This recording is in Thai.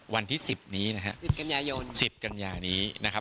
วันที่๑๐นี้นะครับ๑๐กันยานี้นะครับ